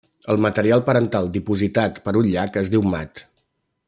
El material parental dipositat per un llac es diu mat.